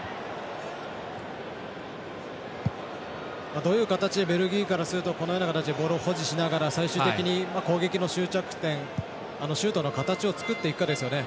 どういう形でベルギーからするとこのような形でボールを保持しながら最終的に攻撃の終着点シュートの形を作っていくかですよね。